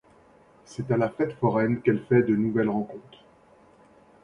C'est à la fête foraine qu'elle fait de nouvelles rencontres...